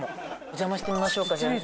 お邪魔してみましょうかじゃあ。